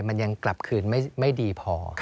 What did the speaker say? มันยังกลับคืนไม่ดีพอ